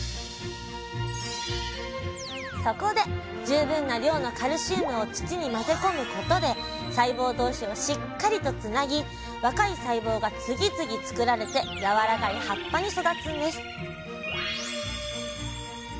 そこで十分な量のカルシウムを土に混ぜ込むことで細胞同士をしっかりとつなぎ若い細胞が次々作られてやわらかい葉っぱに育つんです